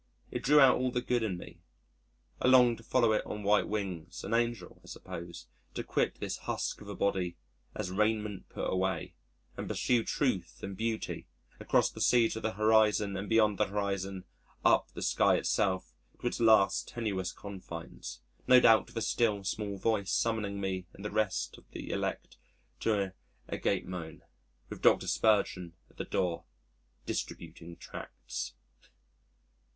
It drew out all the good in me. I longed to follow it on white wings an angel I suppose to quit this husk of a body "as raiment put away," and pursue Truth and Beauty across the sea to the horizon, and beyond the horizon up the sky itself to its last tenuous confines, no doubt with a still small voice summoning me and the rest of the elect to an Agapemone, with Dr. Spurgeon at the door distributing tracts.